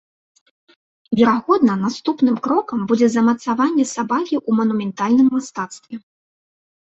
Верагодна, наступным крокам будзе замацаванне сабакі ў манументальным мастацтве.